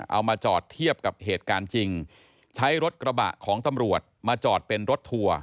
เอามาจอดเทียบกับเหตุการณ์จริงใช้รถกระบะของตำรวจมาจอดเป็นรถทัวร์